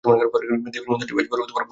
দেবীর মন্দিরটি বেশ বড়ো ও বহুচূড়াবিশিষ্ট।